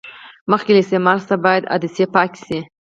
مخکې له استعمال څخه باید عدسې پاکې شي.